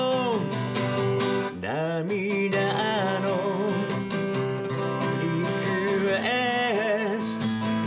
「涙のリクエスト」